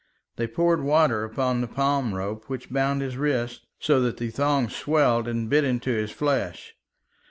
They poured water upon the palm rope which bound his wrists, so that the thongs swelled and bit into his flesh.